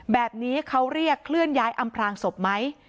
แบบนี้เขาเรียกเคลื่อนย้ายอำพลางศพไหม